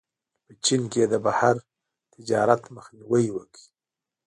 په چین کې یې د بهر تجارت مخنیوی وکړ.